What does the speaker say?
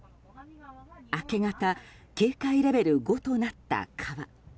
明け方警戒レベル５となった川。